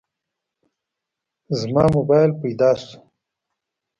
دمو مباييل پيدو شه.